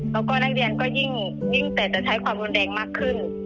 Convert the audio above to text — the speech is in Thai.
แล้วก็นักเรียนก็ยิ่งแต่จะใช้ความรุนแรงมากขึ้น